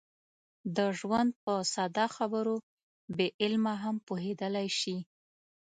د ژوند په ساده خبرو بې علمه هم پوهېدلی شي.